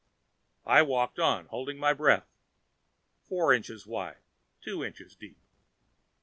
I walked on, holding my breath. Four inches wide. Two inches deep.